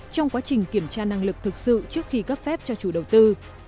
trong quá trình kiểm tra năng lực thực sự trước khi cấp phép cho chủ đầu tư